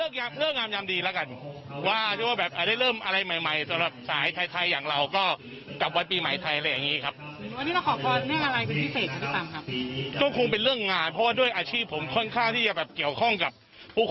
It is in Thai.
คนมันมาเยอะอ่ะก็เนี่ยท้าเวชสุวรรณเนี่ยดังเพราะท้าเวชสุวรรณเนี่ยนะฮะ